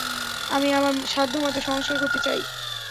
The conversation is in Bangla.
আমি আমার সাধ্যমত সংস্কার করতে চাই।